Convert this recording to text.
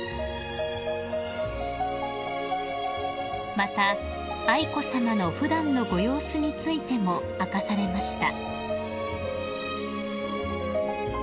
［また愛子さまの普段のご様子についても明かされました］